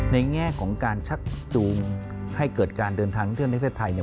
แง่ของการชักจูงให้เกิดการเดินทางท่องเที่ยวในประเทศไทย